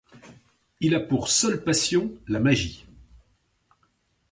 Il a pour seule passion, la magie.